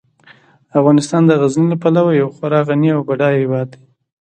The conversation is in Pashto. افغانستان د غزني له پلوه یو خورا غني او بډایه هیواد دی.